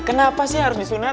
kenapa sih harus disunat